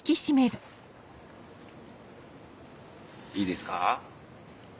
いいですか？